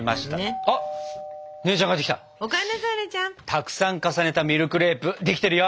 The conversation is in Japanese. たくさん重ねたミルクレープできてるよ！